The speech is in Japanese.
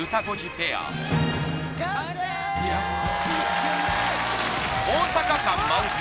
ペアも大阪感満載